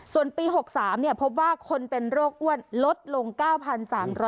ส่วนปี๖๓พบว่าคนเป็นโรคอ้วนลดลง๙๓๐๐